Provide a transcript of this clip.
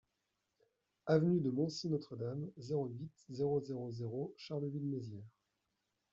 Avenue de Montcy-Notre-Dame, zéro huit, zéro zéro zéro Charleville-Mézières